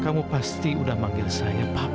kamu pasti sudah memanggil saya bapak